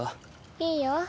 いいよ。